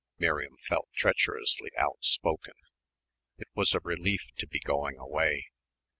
Miriam felt treacherously outspoken. It was a relief to be going away.